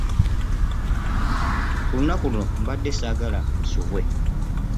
Ku lunaku luno mbadde ssaagala nsubwe.